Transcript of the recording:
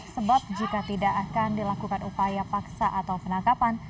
sebab jika tidak akan dilakukan upaya paksa atau penangkapan